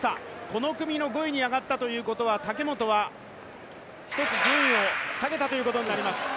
この組の５位に上がったということは武本は１つ順位を下げたということになります。